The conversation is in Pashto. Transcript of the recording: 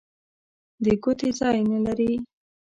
د ګوتې ځای نه لري.